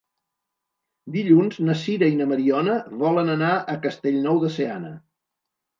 Dilluns na Sira i na Mariona volen anar a Castellnou de Seana.